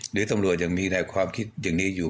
หรือตับรอบยังมีแนวความคิดอยู่